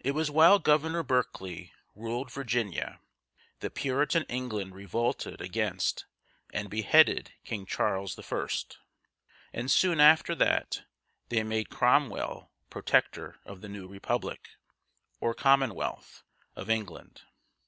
It was while Governor Berke´ley ruled Virginia that Puritan England revolted against and beheaded King Charles I.; and soon after that they made Cromwell Protector of the new republic, or Commonwealth, of England.